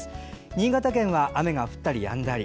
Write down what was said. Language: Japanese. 新潟県は雨が降ったりやんだり。